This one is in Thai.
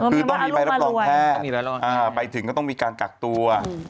คือต้องมีใบรับรองแพทย์ไปถึงก็ต้องมีการกักตัว